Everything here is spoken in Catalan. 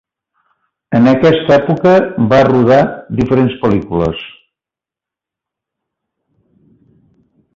En aquesta època va rodar diferents pel·lícules.